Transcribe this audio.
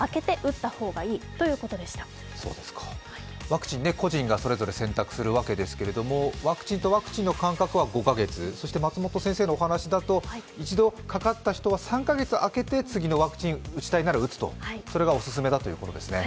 ワクチン、個人がそれぞれ選択するわけですけれどもワクチンとワクチンの間隔は５か月そして松本先生のお話だと、一度かかった人は３か月空けて、次のワクチンを打ちたいなら打つとそれがお勧めだということですね。